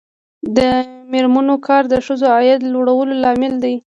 د میرمنو کار د ښځو عاید لوړولو لامل دی.